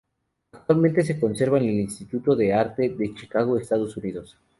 Actualmente se conserva en el Instituto de Arte de Chicago, Estados Unidos.